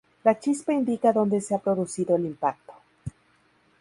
La chispa indica dónde se ha producido el impacto.